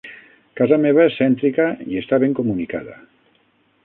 Casa meva és cèntrica i està ben comunicada.